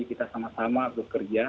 kita sama sama bekerja